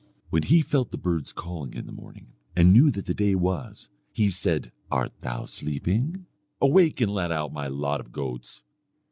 "When he felt the birds calling in the morning, and knew that the day was, he said 'Art thou sleeping? Awake and let out my lot of goats.'